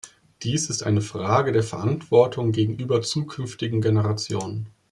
Dies ist eine Frage der Verantwortung gegenüber zukünftigen Generationen.